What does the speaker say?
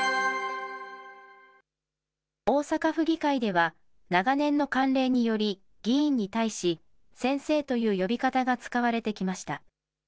大阪府議会では、長年の慣例により、議員に対し、先生という呼び方が使われてきました。